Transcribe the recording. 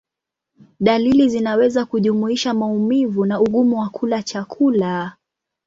Dalili zinaweza kujumuisha maumivu na ugumu wa kula chakula.